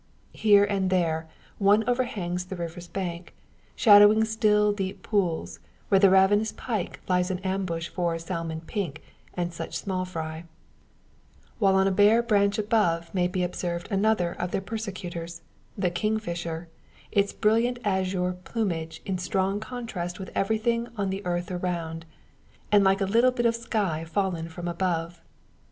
Here and there, one overhangs the river's bank, shadowing still deep pools, where the ravenous pike lies in ambush for "salmon pink" and such small fry; while on a bare branch above may be observed another of their persecutors the kingfisher its brilliant azure plumage in strong contrast with everything on the earth around, and like a bit of sky fallen from above.